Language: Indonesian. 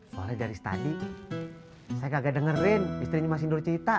soalnya dari tadi saya kagak dengerin istrinya mas indro cerita